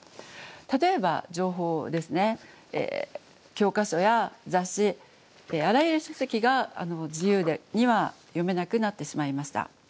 教科書や雑誌あらゆる書籍が自由には読めなくなってしまいました。